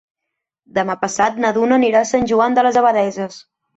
Demà passat na Duna anirà a Sant Joan de les Abadesses.